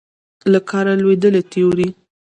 له کاره لوېدلې تیورۍ